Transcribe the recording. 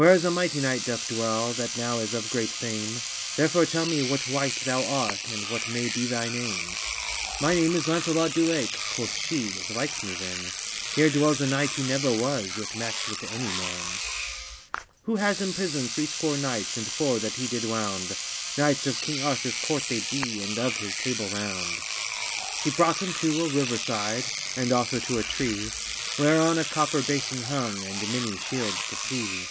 Wheras a mighty knight doth dwell, That now is of great fame: Therefore tell me what wight thou art, And what may be thy name. "My name is Lancelot du Lake." Quoth she, it likes me than: Here dwelles a knight who never was Yet matcht with any man: Who has in prison threescore knights And four, that he did wound; Knights of King Arthurs court they be, And of his table round. She brought him to a river side, And also to a tree, Whereon a copper bason hung, And many shields to see.